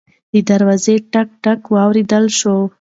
د دروازې ټک ټک واورېدل شو.